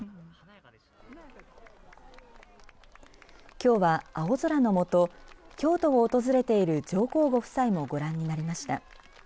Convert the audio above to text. きょうは青空の下京都を訪れている上皇ご夫妻もご覧になりました。